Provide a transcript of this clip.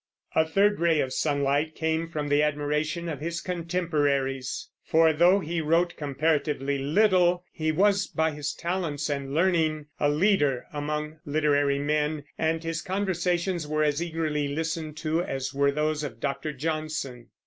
A third ray of sunlight came from the admiration of his contemporaries; for though he wrote comparatively little, he was by his talents and learning a leader among literary men, and his conversations were as eagerly listened to as were those of Dr. Johnson.